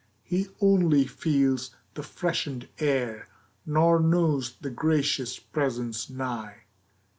He only feels the freshened air, Nor knows the gracious presence nigh.